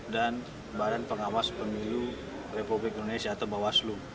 dan badan pengawas pemilu republik indonesia atau bawaslu